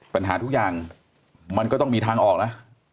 ปัญหาทุกอย่างมันก็ต้องมีทางออกนะ